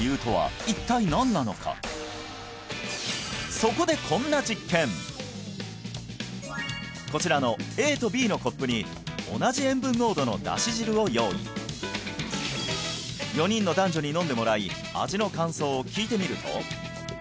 そこでこんなこちらのＡとＢのコップに同じ塩分濃度のだし汁を用意４人の男女に飲んでもらい味の感想を聞いてみると